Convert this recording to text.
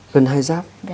gần hai giáp